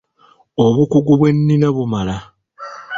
Obukugu bwe nnina bummala.